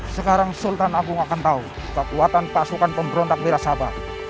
sekarang sultan agung akan tahu kekuatan pasukan pemberontak wirasabah